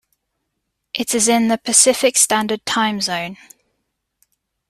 It is in the Pacific Standard Time Zone.